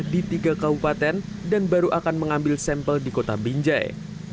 di tiga kabupaten dan baru akan mengambil sampel di kota binjai